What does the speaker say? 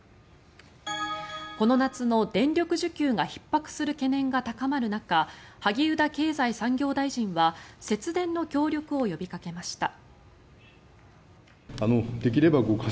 この夏の電力需給がひっ迫する懸念が高まる中萩生田経済産業大臣は節電の協力を呼びかけました。